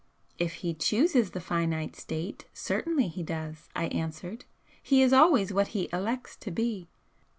"If he chooses the finite state certainly he does," I answered "He is always what he elects to be."